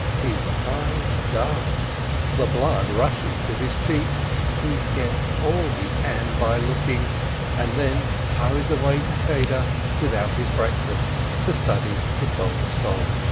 His eyes dance, the blood rushes to his cheeks, he gets all he can by looking, and then hurries away to Cheder without his breakfast, to study the Song of Songs.